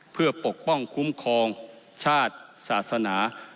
เพื่อปกป้องคุ้มครองชาติศาสนา